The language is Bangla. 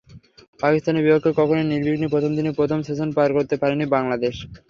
পাকিস্তানের বিপক্ষে কখনোই নির্বিঘ্নে প্রথম দিনের প্রথম সেশন পার করতে পারেনি বাংলাদেশ।